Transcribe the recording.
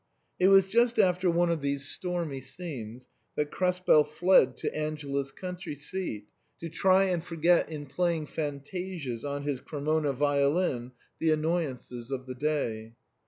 It was just after one of these stormy scenes that Kres pel fled to Angela's country seat to try and forget in playing fantasias on his Cremona violin the annoyances of the day.